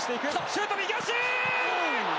シュート、右足！